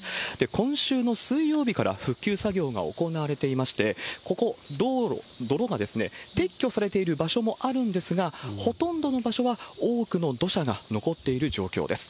今週の水曜日から復旧作業が行われていまして、ここ、泥が撤去されている場所もあるんですが、ほとんどの場所は多くの土砂が残っている状況です。